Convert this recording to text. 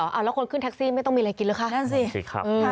แล้วคนขึ้นแท็กซี่ไม่ต้องมีอะไรกินหรือคะ